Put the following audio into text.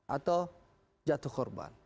atau jatuh korban